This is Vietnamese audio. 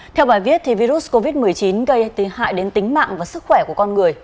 theo bài viết virus covid một mươi chín gây hại đến tính mạng và sức khỏe của con người